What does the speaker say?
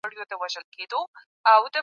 زه به ستاسي لوري ته په الوتکه کي البوزم.